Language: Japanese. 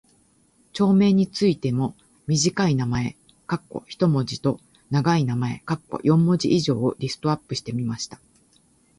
町村についても短い名前（一文字）と長い名前（四文字以上）をリストアップしてみました。